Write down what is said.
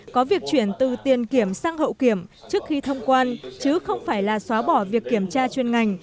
có việc chuyển từ tiền kiểm sang hậu kiểm trước khi thông quan chứ không phải là xóa bỏ việc kiểm tra chuyên ngành